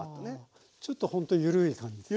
ちょっとほんとゆるい感じですね。